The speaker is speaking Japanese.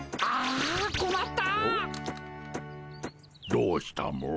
どうしたモ？